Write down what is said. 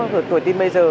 từ tuổi tin bây giờ